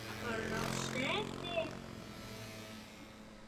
Lidé už mají plné zuby dalších byrokratických povinností.